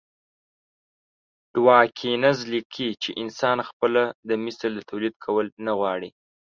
ډاوکېنز ليکلي چې انسان خپله د مثل توليد کول نه غواړي.